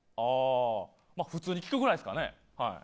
普通に聞くぐらいですかね。